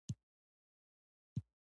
ډېر ځله پوځیان ددوی په خوا درېږي.